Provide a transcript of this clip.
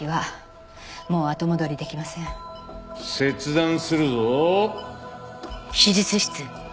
切断するぞ。